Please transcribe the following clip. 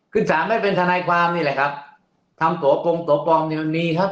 คือสามารถไม่เป็นทนายความนี่แหละครับทำโตโปรงโตปลอมอยู่มีครับ